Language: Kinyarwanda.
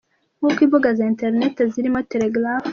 Nkuko imbuga za internet zirimo telegraph.